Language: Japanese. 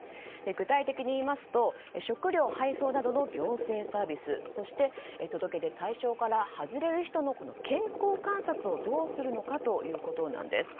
具体的にいいますと食料配送などの行政サービスそして届け出対象から外れる人の健康観察をどうするのかということなんです。